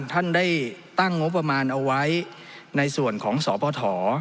ท่านได้ตั้งงบประมาณเอาไว้ในส่วนของสพ